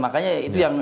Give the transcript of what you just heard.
makanya itu yang